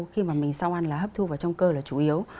khi mà mình sau ăn là hấp thu vào trong cơ là chủ yếu